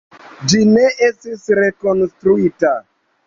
Ĝi ne estis rekonstruita.